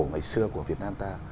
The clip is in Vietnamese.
ngày xưa của việt nam ta